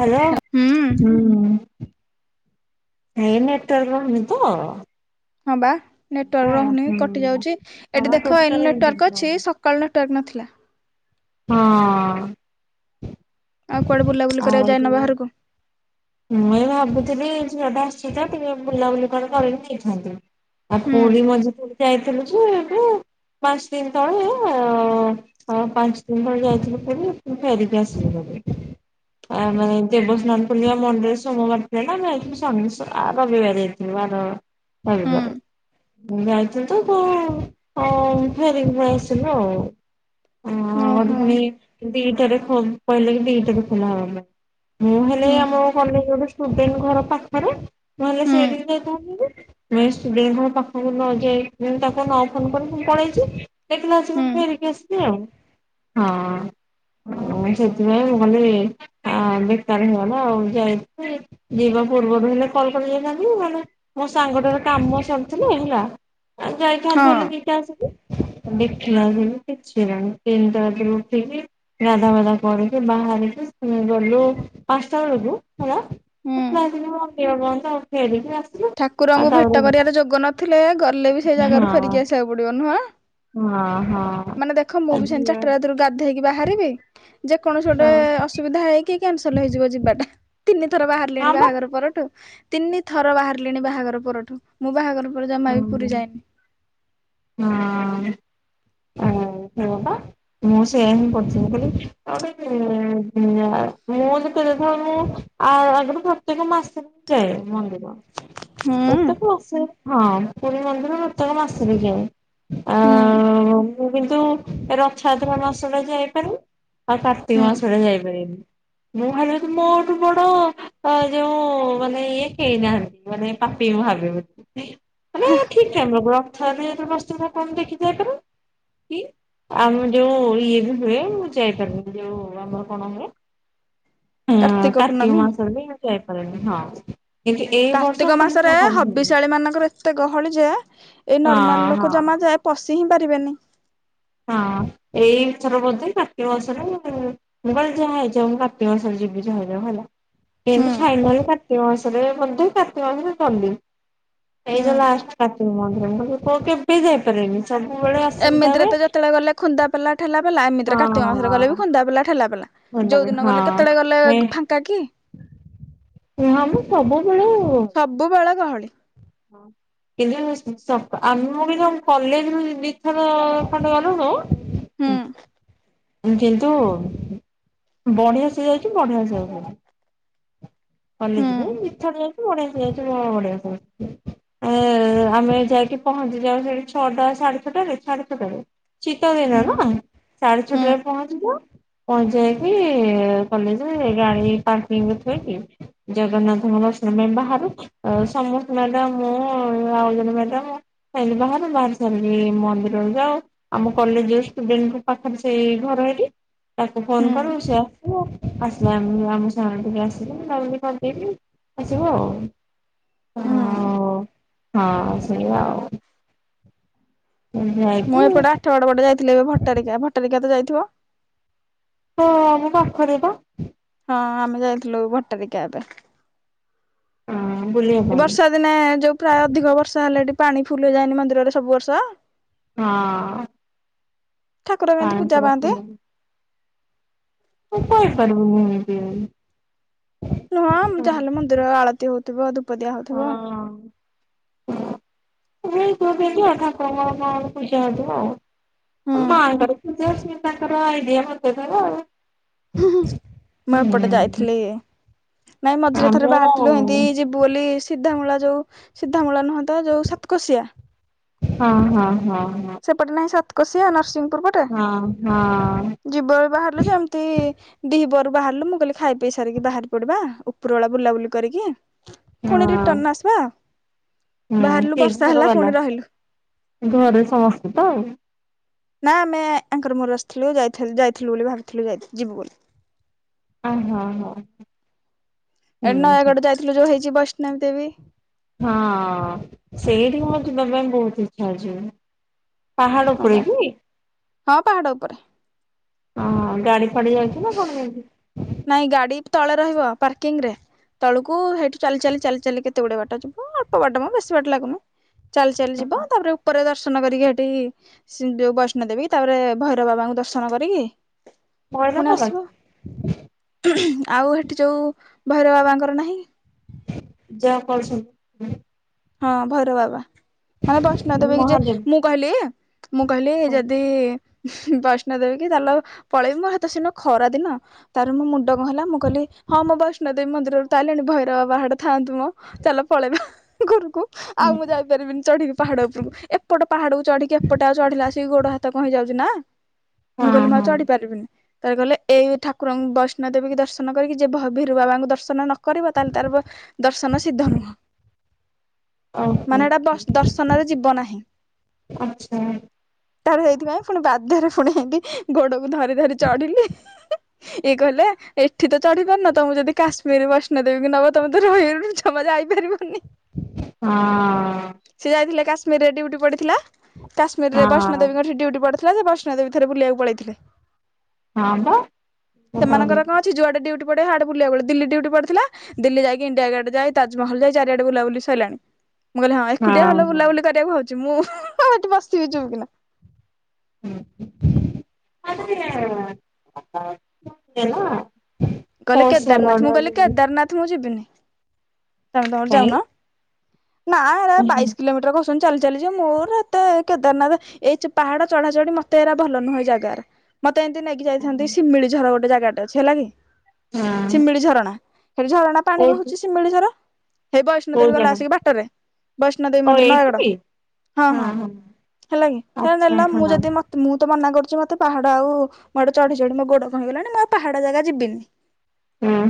Hello ହୁଁ ହୁଁ। ହେଇ ନେଟୱର୍କ ରହୁନି ତ ହଁ ବା ନେଟୱାର୍କ ରହୁନି କଟିଯାଉଛି ହଁ ଏଠି ଦେଖ ଏନୁ ଟୋଟାଲ ନେଟୱାର୍କ ହଁ ଅଛି ସ କଲର ଟର ନଥିଲା। ହଁ। ଆଉ କୁଆଡେ ବୁଲାବୁଲି ଆଉ କରିବାକୁ ଯାଇନ ଯଉ ବାହାରକୁ ମୁଁ ଏ ଭାବୁଥିଲି ଝିଅ ଟା ଆସୁ ତ ଟିକେ ବୁଲାବୁଲି କଣ କରିକି ନେଇଥାନ୍ତୀ। ଆଉ ହୁଁ। ପୁରୀ ମଝିରେ ଥରେ ଯାଇଥିଲୁ ଯେ ଏବେ ପାଞ୍ଚ ଦିନ ତଳେ ଅ ହଁ ପାଞ୍ଚ ଦିନ ତଳେ ଯାଇଥିଲୁ ପୁରୀ ଫେରିକି ଆସିଲୁ ଭାରି। ଆ ମାନେ ଦେବସ୍ନାନ ପୂର୍ଣିମା ମଣ୍ଡରେ ସୋମବାର ସେ ନା ଆମେ ଯାଇଥିଲୁ ସ ରବିିବାର ଯାଇଥିଲୁ ଆର ରବିିବାର। ହୁଁ [unintelligible] ଆ ତ କଣ ହ ଫେରିକି ପଳେଇ ଆସିଲୁ ଆଉ। ହ ହେଟୁ ଓହୋ ପୁଣି ଦିଟାରେ କହିଲେ କି ଦିଟାରେ ଖୋଲା ହବା ପାଇଁ। ମୁଁ ହେଲେ ହୁଁ ଆମ କଲେଜ ଗୋଟେ ଷ୍ଟୁଡେଣ୍ଟ ଘର ପାଖରେ ମୁଁ ହେଲେ ହୁଁ ସେଇଠିକି ଯାଇଥାନ୍ତି ଯେ ମେସ୍ ଷ୍ଟୁଡେଣ୍ଟ ପାଖକୁ ନ ଯାଇ ମୁଁ ତାକୁ ନ ଫୋନ କରିକି ମୁ ପଳେଇଛି। ଦେଖିଲା ଆଶିକି ହୁଁ ମୁଁ ଫେରିକି ଆସିଲି ଆଉ। ହଁ ମୁ ସେଥିପାଇଁ ମୁକହିଲି ଆ ବେକାର ହେଇଗଲା ଆଉ ଯାଇଥିଲି ଯିବା ପୂର୍ବରୁ ହେଲେ କଲ୍ କରିଦେଇଥାନ୍ତି ମାନେ ମୋ ସାଙ୍ଗଟା ର କାମ ସରିଥିଲେ ହେଲା ଆଉ ଯାଇଥାନ୍ତୁ ହେଲେ ହଁ ଦିଟା ଆସିକି। ଦେଖିଲା ଆଗକୁ କିଛି ହେଲାନି ତିନିଟା ରାତିରୁ ଉଠିକି ଗାଧା ବାଧା କରିକୀ ବାହାରିଲୁ ଗଲୁ ପାଞ୍ଚଟା ବେଳକୁ ହେଲା [unintelligible] ହୁଁ। ଆଉ ଠାକୁରଙ୍କୁ ତାପରେ ଭେଟ କରିବାର ଯୋଗ ନଥିଲେ ଗଲେ ବି ସେଇ ହଁ ଜାଗାରୁ ଫେରିକି ଆସିବାକୁ ପଡିବ ନୁଁହ। ହଁ ହଁ ମାନେ ଦେଖ ମୁଁ ବି ଆଜି ସେମିତି ଚାରି ହଁ ଟା ରାତି ରୁ ଗାଧେଇକି ବାହାରିବି ଯେକୌଣସି ଗୋଟେ ଅସୁବିଧା ହେଇକି କ୍ୟାନସଲ ହେଇଯିବ ଯିବାଟା। ତିନି ଥର ହଁ ବାହାରିଲିଣି ବା ବାହାଘର ପରଠୁ, ତିନି ଥର ବାହାରିଲିଣି ବାହାଘର ପରଠୁ। ମୁଁ ବାହାଘର ପରେ ଜମା ବି ପୁରୀ ହୁଁ ଯାଇନି। ହଁ। ସେଇଆ ପା [inaudible] ମୁଁ ସେୟା ହିଁ କରୁଥିଲି ମୁଁ କହିଲି ଗୋଟେ ମୁଁ ଯେତଳେ ଦେଖ ମୁଁ ଆ ଆଗରୁ ପ୍ରତ୍ୟେକ ମାସ ଯାଏ ମନ୍ଦିର। ହୁଁ ପ୍ରତ୍ୟେକ ମାସ, ହଁ ପୁରୀ ମନ୍ଦିର ପ୍ରତେକ ମାସରେ ଯାଏ। ଆ ହୁଁ ମୁ କିନ୍ତୁ ରଥଯାତ୍ରା ମାସଟା ଯାଇପାରେନି। ଆଉ କାର୍ତ୍ତିକ ହୁଁ ମାସ ଟା ଯାଇପାରେନି, ମୁଁ ଭାଲାଠୁ ମୋଠୁ ବଡ ତ ଯୋଉ ମାନେ ଇଏ କେଇ ନାହାନ୍ତି ମାନେ ପାପି ମୁଁ ଭାବେ ବୋଲି। ମାନେ ଠିକ୍ ଟାଇମ୍ ବେଳକୁ ରଥଯାତ୍ରା ଯେତେବେଳେ ବସିଥିବ ସେତଳେ ଦେଖି ଯାଇ ପାରେନି କି ଆମ ଯୋଉ ଇଏ ବି ହୁଏ ମୁଁ ଯାଇପାରୁନି ଯୋଉ ଆମର କଣ ହୁଏ। [inaudible] ଉଁ କାର୍ତ୍ତିକ ମାସରେ ବି ଯାଇପାରେନି ହଁ। କିନ୍ତୁ ଏଇ ବର୍ଷ କାର୍ତ୍ତିକ ମୁଁ କହିଲି ମାସରେ ଯାହା ବି ହେଲେ ହବିଷାଳୀ ମାନଙ୍କର ଏତେ ଗହଳି ଯେ ଏଇ ନର୍ମାଲ ହଁ ଲୋକ ହଁ ଜମା ଯା ପଶି ହିଁ ପାରିବେନି। ହଁ ଏଇ ଥର ବୋଧେ କାର୍ତ୍ତିକ ମାସରେ ମୁଁ କହିଲି ଯାହାହେଇଯାଉ ମୁଁ କାର୍ତ୍ତିକ ମାସରେ ଯିବି ଯାହା ହେଇଯାଉ ହେଲା। ହୁଁ କିନ୍ତୁ [unintelligible] କାର୍ତ୍ତିକ ମାସରେ ବୋଧେ କାର୍ତ୍ତିକ ମାସରେ ଗଲି। ଏଇ ହୁଁ ଯୋଉ ଲାଷ୍ଟ କାର୍ତ୍ତିକ ମନ୍ଥ ରେ ମୁଁ କହିଲି କେବେ ଯାଇପାରେନି ସବୁବେଳେ ଆସୁବିଧା ଏମିତିରେ ହୁଏ। ତ ଯେତେବେଳେ ଗଲେ ଖୁନ୍ଦା ପେଲା ଠେଲା ପେଲା, ଏମିତିରେ କାର୍ତ୍ତିକ ମାସରେ ଗଲେ ବି ହଁ ଖୁନ୍ଦା ପେଲା ଠେଲା ପେଲା। ଯୋଉ ଦିନ ଗଲେ ହଁ କେତେବେଳେ ଗଲେ ଫାଙ୍କା କି କୁହ ମ ସବୁବେଳେ ସବୁବେଳେ ଗହଳି। ହଁ। କିନ୍ତୁ ସ ଆମ ମୁ ବି ତ କଲେଜ ରୁ ଦିଥର ଖଣ୍ଡେ ଗଲୁଣୁ ହୁଁ। କିନ୍ତୁ ବଢିଆ ସେ ଯାଇଛି ବଢିଆ ସେ ଆସିଚି। [unintelligible] ଏ ଆମେ ହୁଁ ଯାଇକି ପହଞ୍ଚି ଯାଉ ସେଠି ଛଅଟା ସାଢେ ଛଅଟାରେ ସାଢେ ଛଅଟାରେ। ହୁଁ ଶୀତଦିନେ ନା। ସାଢେ ହୁଁ ଛଅଟାରେ ପହଞ୍ଚି ଯାଉ‌ ପହଞ୍ଚି ଯାଇକି କଲେଜରେ ଗାଡି ପା ର୍କିଙ୍ଗ ରେ ଥୋଇ ‌କି ଜଗନ୍ନାଥଙ୍କର ଦର୍ଶନ ପାଇଁ ବାହାରୁ। ଆଉ ସମସ୍ତେ ମ୍ୟାଡାମ ମୁଁ ଆଉ ଜଣେ ମ୍ୟାଡାମ। ଏମିତି ଆମେ ବାହାରି ସାରିକି ମନ୍ଦିରରୁୁ ଯାଉ। ଆମ କଲେଜ ର ଷ୍ଟୁଡେଣ୍ଟଙ୍କ ପାଖରେ ସେଇ ଘର ହେଇିଟି। ତାକୁ ଫୋନ ହୁଁ କରୁ ସେ ଆସିବ ଆସିଲେ ଆମକୁ ଆମ‌ ସ ଆସିକି ବୁଲା ବୁଲି କରି ଦେଇକି ଆସିବୁ ଆଉ। ହ ହୁଁ ଉ ହଁ ସେଇଆା ଆଉ। [unintelligible] ମୁଁ ଏପଟେ ଆଠ ଗଡ ପଟେ ଯାଇଥିଲି ଏବେ ଭଟାରିକା ଭଟାରିକା ତ ଯାଇଥିବ। ହଁ ଆମ ପାଖରେ ବା। ହଁ ଆମେ ଯାଇଥିଲୁ ଭଟାରିକା ଏବେ ହଁ ବୁଲିବା ପାଇଁ ଏବର୍ଷା ଦିନେ ଯୋଉ ପ୍ରାୟ ଅଧିକ ବର୍ଷା ହେଲେ ହେଠି ପାଣି ଫୁଲ ଯାଏନି ମନ୍ଦିର ରେ ସବୁ ବର୍ଷ। ହଁ। ଠାକୁର କେଁତି ପୂଜା ପାଣିପୁରା ପାଆନ୍ତି। ମୁଁ କଇ ପାରିବିନି କେମିତି। ନୁହଁ ଯାହେଲେ ମନ୍ଦିର ଆଳତି ହଉଥିବ ଧୂପଦିଆ ହଉଥିବ। ହେଇଥିବ କେଁତି ଆଉ ଠାକୁରଙ୍କର କଁ ଗୋଟେ ପୁଜା ହେଇଥିବ ଆଉ। ହୁଁ ମା ଙ୍କର ପୁଜା ସିଏ ତାଙ୍କର ଆଇଡିଆ ଖଟଉଥିବେ ଆଉ। ମୁଁ ଏପଟେ ହୁଁ ଯାଇଥିଲି ନାଇଁ ମଝିରେ ଥରେ ଆମ ହଁ ବାହାରିଥିଲୁ ଏମତି ଯି ବୁ ବୋଲି ସିଧାମୂଳା ଯୋଉ ସିଧାମୂଳା ନୁହଁ ତ ଯୋଉ ସାତକଶିଆ। ହଁ ହଁ ହଁ ହଁ। ସେପଟେ ନାହିଁ ସାତକଶିଆ ନରସିଂହପୁର‌ ପ ହଁ ହଁ। ଯିବୁ ବୋଲି ବାହାରିଲୁ ଯେ ଏମିତି। ଦିହି ପହରୁ ବାହାରିଲୁ ମୁଁ କହିଲି ଖାଇ ପିଇ ସାରିକି ବାହାରି ପଡିବା ଉପର ବାଲା ବୁଲାବୁଲି କରିକି। ଫୁଣି ହଁ ରିଟର୍ଣ ଆସିବା ହୁଁ ବାହାରିଲୁ ସେ ବର୍ଷା ଘର ହେଲା ବାଲା ପୁଣି ରହିଲୁ। ଘରେ ସମସ୍ତେ ତ ଆଉ। ନା ଆମେ ଆଙ୍କର ମୋ ର ଆସିଥିଲୁ ଯାଇଥେଲୁ ଯାଇଥିଲୁ ବୋଲି ଭାବିଥିଲୁ ଯିବୁ ବୋଲି। ଆ ହଁ ହଁ। ଏ ହୁଁ ହୁଁ ନୟାଗଡ ଯାଇଥିଲୁ ଯୋଉ ହେଇଛି ବୈଷ୍ଣବି ଦେବି। ହଁ ସେଇଠି କି ମୋର ଯିବା ପାଇଁ ବହୁତ ଇଚ୍ଛା ଅଛି। ପାହାଡ ହଁ ଉପରେ ବା କି। ହଁ ପାହାଡ ଉପରେ। ହଁ ଗାଡ଼ି ଫାଡ଼ି ଯାଉଛି ନା କଣ କେମିତି। ନାଇଁ ଗାଡ଼ି ତଳେ ରହିବ ପାର୍କିଂ ରେ। ତଳକୁ ହେଇଠୁ ଚାଲି ଚାଲି ଚାଲି ଚାଲି କେତେ ଗୁଡ଼େ ବାଟ ଯିବ ଅଳ୍ପ ବାଟ ମ ବେଶୀ ବାଟ ଲାଗୁନି। ଚାଲି ଚାଲି ଯିବ ତାପରେ ଉପରେ ଦର୍ଶନ କରିକି ହେଟି। ସି ଯୋଉ ବୈଷ୍ଣବ ଦେବୀ ତାପରେ ଭୈରବ ବାବାଙ୍କୁ ଦର୍ଶନ କରିକି। ଭୈରବ ପୁଣି ବାବା। ଆସିବ ଆଉ ହେଠି ଯୋଉ ଭୈରବ ବାବାଙ୍କର ନାହିଁ। ଯାହା କଳ ସବୁ। ହଁ ଭୈରବ ବାବା। ମାନେ ବୈଷ୍ଣବ ଦେବୀ କି ଯେ ମହାଦେବ ମୁଁ କହିଲି ମୁଁ କହିଲି ହଁ ଯଦି। ବୈଷ୍ଣବ ଦେବୀ କି ଚାଲ ପଳେଇବି ମୋ ହେତ ସେଦିନ ଖରା ଦିନ। ତାର ମୋ ମୁଣ୍ଡ କଁ ହେଲା ମୁଁ କହିଲି ହଁ ମୋ ବୈଷ୍ଣବ ଦେବୀ ମନ୍ଦିରରୁ ତ‌ଆଇଲିଣି ଭୈରବ ବାବା ହେଟେ ଥାଆନ୍ତୁ ମ। ଚାଲ ପଳେଇବା ଘରକୁ ଆଉ ମୁଁ ଯାଇପାରିବିନି ଚଢ଼ିକି। ପାହାଡ଼ ଉପରକୁ ଏପଟ ପାହାଡ଼କୁ ଚଢ଼ିକି ଏପଟେ ଆଉ ଚଢ଼ିଲା ଆସିକି ଗୋଡ଼ ହାତ କଣ ହେଇଯାଉଛି ନା? ମୁଁ କହିଲି ଆଉ ହଁ ଚଢ଼ି ପାରିବିନି। ତାପରେ କହିଲେ ଏଇ ଠାକୁରଙ୍କୁ ବୈଷ୍ଣୋ ଦେବୀ କି ଦର୍ଶନ କରିକି ଯିଏ ଭଭୀରୁ ବାବାଙ୍କୁ ଦର୍ଶନ ନ କରିବ ତାହେଲେ ତାର ଦର୍ଶନ ସିଦ୍ଧ ନୁହେଁ। ଓହୋ ମାନେ ଏଟା ଦର୍ଶନରେ ଯିବ ନାହିଁ। ଆଚ୍ଛା ତାର ହେଇଥିପାଇଁ ପୁଣି ବାଧ୍ୟରେ ପୁଣି ହେମିତି ଗୋଡ଼କୁ ଧରି ଧରି ଚଢ଼ିଲି ଇଏ କହିଲେ ଏଠି ତ ଚଢ଼ି ପାରୁନ ତମକୁ ଯଦି କାଶ୍ମୀରୀ ବୈଷ୍ଣ ଦେବୀ କି ନେବ ତମେ ତ ରହିବ ଜମା ଯାଇପାରିବ ନି। ହଁ। ସେ ଯାଇଥିଲେ କାଶ୍ମୀରେ ଡ୍ୟୁଟି ପଡ଼ିଥିଲା କାଶ୍ମରରେ ହଁ ବୈଷ୍ଣଦେବୀ କଠି ଡ୍ୟୁଟି ପଡ଼ିଥିଲା ଥିଲା ସେ ବୈଷ୍ଣ ଦେବୀଠାରେ ବୁଲିବାକୁ ପଳେଇଥିଲେ ହଁ ବା ହଁ ସେମାନଙ୍କର କଣ ଯୁଆଡ଼େ ଡ୍ୟୁଟି ପଡଡେ ହାଡେ ବୁଲିବାକୁ ଦିଲ୍ଲୀ ଡ୍ୟୁଟି ପଡ଼ିଥିଲା ଦିଲ୍ଲୀ ଯାଇକି ଇଣ୍ଡିଆ ଗେଟ ଯାଇ ତାଜମହଲ ଯାଇ ଚାରି ବୁଲାବୁଲି ସରିଲାଣି ମୁଁ କହିଲି ହଁ ଏକୁଟିଆ ଭଲ ହଁ। ବୁଲାବୁଲି କରିବାକୁ ହଉଛି ମୁଁ ଆଉ ଏଠି ବସିଥିବି ଚୁପ୍ କିିନା। ଅଜି ଟିକେ ଚୁଟିରେ ନା। କହିଲେ କେଦାରନାଥ ମୁଁ କହିଲି କେଦାରନାଥ ମୁଁ ଯିବିନି ତମେ ତମର ଯାଉନ ନା କାଇଁ ବାଇଶି କିଲୋମିଟର ତମେ ଚାଲି ଚାଲି ଯିବ ମୋର ଏତେ କେଦରନାଥ ଏଇ ଚ ପାହାଡ଼ ଚଢ଼ା ଚଢ଼ି ମତେ ଏରା ଭଲ ନୁହେଁ ଏଇ ଜାଗାରା। ମତେ ଏମିତି ନେଇକି ଯାଇଥାନ୍ତି ହଁ ସିମିଳିଝର ଗୋଟେ ଜାଗାଟେ ଅଛି ହେଲା କି। ଶିମିଳି ଝରଣା ହେଠି ଝରଣା ପାଣି କୋଉ ବହୁଛି ଶିମିଳିଝର। ହେଇ କୋଉ ବୈଷ୍ଣୋଦେବୀ ଗଲା ଜାଗା ଆସିକି ବାଟରେ ବୈଷ୍ଣୋ ଓ ଦେବୀ ମନ୍ଦିର ଏଇଠି ନୟାଗଡ। ହଁ ହଁ ହେଲା କି ଆଚ୍ଛା ହେରାନେଲ ହଁ ମୁଁ ଯଦି ମତେ ମୁଁ ତ ମନା କରୁଚି ମତେ ପାହାଡ଼ ଆଉ ମୋଆଡୁ ଚଢ଼ି ଚଢ଼ି ମୋ ଗୋଡ଼ କଣ ହେଇଗଲାଣି ମୁଁ ଆଉ ପାହାଡ଼ ଜାଗା ଯିବିନି।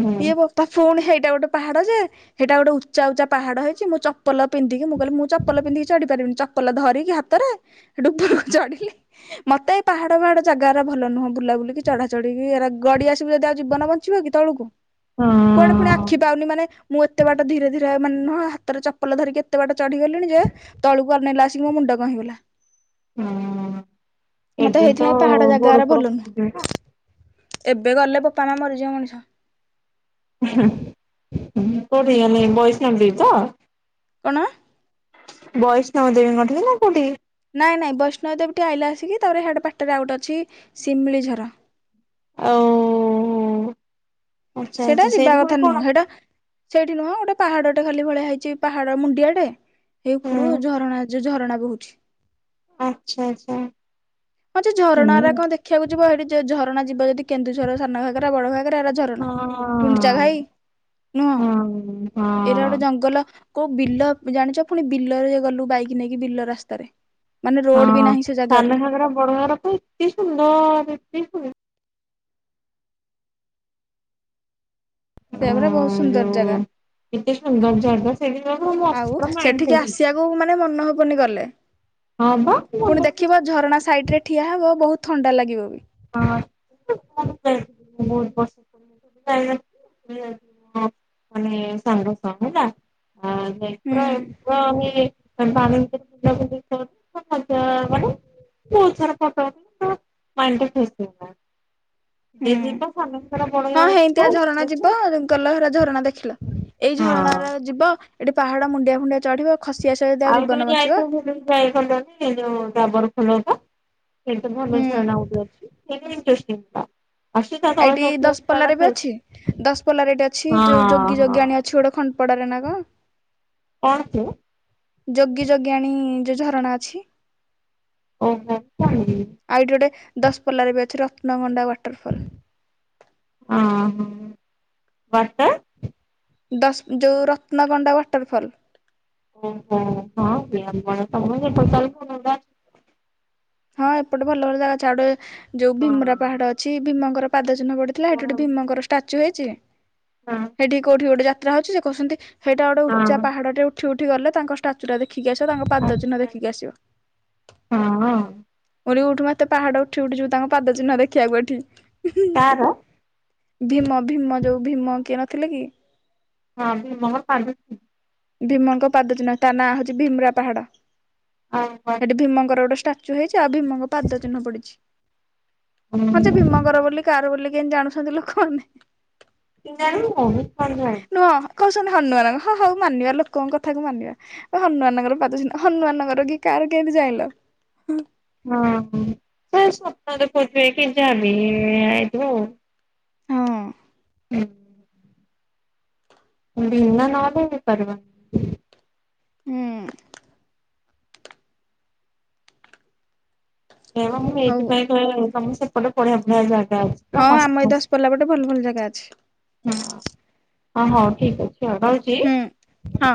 ହୁଁ ଇଏ ହୁଁ ବୋପା ପୁଣି ହେଇଟା ଗୋଟେ ପାହାଡ ଯେ ହେଇଟା ଗୋଟେ ଉଚ୍ଚା ଉଚ୍ଚା ପାହାଡ ହେଇଛି ମୁଁ ଚପଲ ପିନ୍ଦିକି ମୁଁ କହିଲି ମୁଁ ଚପଲ ପିନ୍ଦିକି ଚଢି ପାରିବିନି। ଚପଲ ଧରିକି ହାତରେ ସେଠୁ ଉପରକୁ ଚଢ଼ିଲି ମତେ ଏଇ ପାହାଡ଼ ପାହାଡ଼ ଜାଗାରା ଭଲ ନୁହଁ। ବୁଲା ବୁଲିକି ଚଢ଼ା ଚଢ଼ିକି ବି ଏରା ଗଡ଼ି ଆସିବୁ ଯଦି ଆଉ ଜୀବନ ବଞ୍ଚିବ କି ତଳକୁ କୁଆଡ଼େ ପୁଣି ହଁ ଆଖି ପାଉନି ମାନେ ମୁଁ ଏତେ ବାଟ ଧୀରେ ଧୀରେ ମାନେ ନୁହଁ ହାତରେ ଚପଲ ଧରିକି ଏତେ ବାଟ ଚଢ଼ି ଗଲିଣି ଯେ ତଳକୁ ଅନେଇଲା ଆସିକି ମୋ ମୁଣ୍ଡ କଣ ହେଇଗଲା। ହୁଁ ମତେ ଏବେ ତ ହେଇଥିପାଇଁ ପାହାଡ଼ ଗୋଡ ଜାଗାରା ଫୋଡ ଭଲ ଖସିଯିବ ନୁହଁ। ଏବେ ଗଲେ ବୋପା ମା ମରିଯିବ ମଣିଷ। କୋଉଠି ଗଲେ ବୈଷ୍ଣବି ତ? କଣ? ବୈଷ୍ଣବି ଦେବୀ ମନ୍ଦିର ନା କୋଉଠିକି? ନାଇଁ ନାଇଁ ବୈଷ୍ଣବ ଦେବୀ ଟିକେ ଆଇଲା ଆସିକି ତାପରେ ହେଡେ ପାର୍ଟରେ ଆଉଗୋଟେ ଅଛି ଶିମିଳିଝର। ଆଉ ଆଚ୍ଛା ସେଇଟା ଆଚ୍ଛା ଯିବା ସେଇଠି ପୁଣି କଥା ନୁହଁ କଣ ସେଇଟା ସେଇଠି ନୁହଁ ଗୋଟେ ପାହାଡ଼ଟେ ଖାଲି ଭଳିଆ ହେଇଛି ପାହାଡ଼ ମୁଣ୍ଡିଆ ଟେଏ। ଏଇ ଉପରୁ ହୁଁ ଝରଣା ଯଉ ଝରଣା ବହୁଛି। ଆଚ୍ଛା ଆଚ୍ଛା ହିଁ ଯେ ଝରଣାରା ହୁଁ କଣ ଦେଖ ଦେଖିବାକୁ ଯିବ ହେଠି ଯଉ ଝରଣା ଯିବ ଯଦି କେନ୍ଦୁଝର ସାନା ଘାଗରା ବଡ ଘାଗରା ଏରା ଝରଣା। ହଁ ଗୁଣ୍ଡିଚା ଘାଇ ନୁହଁ ହଁ ହଁ ଏଇଟା ଗୋଟେ ଜଙ୍ଗଲ କୋଉ ବିଲ ଜାଣିଚ ପୁଣି ବିଲରେ ଗଲୁ ବାଇକି ନେଇକି ବିଲ ରାସ୍ତାରେ। ମାନେ ହଁ ରୋଡ ବି ନାହିଁ ସେ ଜାଗାକୁ ସାନଘାଗରା ବଡଘାଗରା କଣ ଏତେ ସୁନ୍ଦର ଏତେ ସୁନ୍ଦର ଅ ସେୟା ପରା ବହୁତ ସୁନ୍ଦର ଜାଗା ଯୋଉ କେତେ ସୁନ୍ଦର ଜାଗା ସେଇଠି ଗଲେ ମସ୍ତ ଆଉ ପୁରା ମାଇଣ୍ଡ ସେଠିକି ଫ୍ରେଶ ହେଇଯିବ। ଆସିବାକୁ କୁ ମାନେ ମନ ହବନି ଗଲେ ହଁ ବା ପୁଣି ମନ ଦେଖିବାକୁ ଝରଣା ସାଇଟିରେ ଠିଆ ହବ ବହୁତ ଥଣ୍ଡା ଲାଗିବ ବି। ହଁ ଯାଇଥିଲି ମୁ ବହୁତ ପସନ୍ଦ ବୁଲି ଯାଇଥିଲି। ମାନେ ସାଙ୍ଗସହ ହୁଁ ହେଲା ଆ [unintelligible] ଫଟ ମାନେ ବହୁତ ସାରା ଫଟୋ [unintelligible] [unintelligible] ଯିଏ ଯିବ ସାନଙ୍କର ବଡ ହୁଁ ହଁ ହେଇ ଯିବ ହେଇତିଆ ଝରଣା ହଁ। ଯିବ ଗଲ ହରା ଝରଣା ଦେଖିଲ। ଏଇ ଝରଣାରେ ଯିବ ଏଠି ପାହାଡ ମୁଣ୍ଡିଆ ଫୁଣ୍ଡିଆ ଚଢିବ ଖସିଆସିବ ଯଦି ଆଉ ଜୀବନ ବଞ୍ଚିବ। ଯାଇକନି ଏଇ ଯୋଉ ଡାବର ଫୁଲଟ ସେତ ଭଲ ଆଉ ଝରଣା ଗୋଟେ ଅଛି। ସେଇଠି ଇନ୍ତ୍ରେଷ୍ଟିଭ। ଏଇଠି ଦଶପଲାରେ ବି ଅଛି ଖେଳୁଛନ୍ତି। ଦଶପଲ୍ଲାରେ ଏଠି ଅଛି ଯୋଉ ଯୋଗୀ ହଁ ହଁ ଯୋଗିନୀ ଛୁଆଟ ଖଣ୍ଡଟପଡାରେ ନା କ। କଣ ଚୁ ଯୋଗୀ ଯୋଗିନୀ ଯୋଉ ଝରଣା ଅଛି। ଓହୋ ମୁଁ ଜାଣିନି। ଆଉ ଏଇଠି ଗୋଟେ ଦଶପଲାରେ ବି ଅଛି ରତ୍ନଭଣ୍ଡା ୱାଟରଫଲ୍। ଓହୋ ୱେଟର ଦଶ ଯେଉଁ ରତ୍ନଗଣ୍ଡା ୱାଟରଫଲ୍। ଓହୋ ହଁ କି ସମ ହଁ ଏପଟେ ଭଲ ଭଲ ଜାଗା ଅଛି ଆଉ ଗୋଟେ ଯୋଉ ଅଛି। ଭୀମରା ପାହାଡ ଅଛି ଭୀମଙ୍କର ପାଦ ଚିହ୍ନ ପ ଥିଲା ସେଠି ହଁ ଗୋଟେ ହଁ ଭୀମଙ୍କର ଷ୍ଟାଚୁ ହେଇଛି ସେଠି କୋଉଠି ଗୋଟେ ଯାତ୍ରା ହଉଛି ସେ କହୁଛନ୍ତି ସେଇଟା ଗୋଟେ ଉଚ୍ଚା ପାହାଡ଼ଟେ ଉଠି ଉଠି ଗଲେ ତାଙ୍କ ଷ୍ଟାଚୁରା ଦେଖିକି ଆସିବ ତା ପାଦ ଚିହ୍ନ ଆଚ୍ଛା ଦେଖୀକି ଆସିବ। ହଁ। ମୁ କହିଲି ଉଠୁ ମତେ ପାହାଡ ଉଠି ଉଠି ଯିବୁ ତାଙ୍କ ପାଦ ଚିହ୍ନ ଦେଖିବାକୁ ଏଠି। ତାର ଭୀମ ଭୀମ ଯୋଉ ଭୀମ କିଏ ନଥିଲେ କି। ହଁ ଭୀମଙ୍କ ପାଦ ଚିହ୍ନ। ଭୀମଙ୍କ ପାଦ ଚିହ୍ନ ତା ନାଁ ହଉଛି ଭୀମ୍ରା ପାହାଡ। ହଁ ୱା ସେଠି ଭୀମଙ୍କର ଗୋଟେ ଷ୍ଟାଚୁ ହେଇଛି ଆଉ ଭୀମଙ୍କ ପାଦ ଚିହ୍ନ ପଡିଛି ହଁ ଯେ ଭୀମଙ୍କର ବୋଲି କାର ବୋଲି କେମତି ଜାଣୁଛନ୍ତି ଲୋକମାନେ। [unintelligible] ନୁହଁ କହୁଛନ୍ତି ହନୁମାନଙ୍କ ହଁ ହଉ ମାନିବା ଲୋକଙ୍କ କଥାକୁ ମାନିବା। ହନୁମାନଙ୍କର ପାଦ ଚିହ୍ନ ହନୁମାନଙ୍କର କି କାହାର କେମିତି ଯାଇଲ। ହଁ ସ ସତରେ ପଥିବେ କେ ଯା ବିି ଆଇଥିବ ଆଉ। ହଁ। [unintelligible] ବିନା ନହଲେ ହେଇପାରିବ। ହୁଁ। ହେ ମୁଁ ହଉ ଏଇଥିପାଇଁ କୁହେ ତମ ସେପଟେ ବଢିଆ ବଢିଆ ଜାଗା ଅଛି। ପୁରା ହଁ ଆମ ମସ୍ତ ଏଇ ମସ୍ତ ଦଶପଲା ପଟେ ଭଲ ଭଲ ଜାଗା ଅଛି। ହଁ ହ ହଉ ଠିକ୍ ଅଛି ଆଉ ରହୁଛି ହୁଁ ହଁ।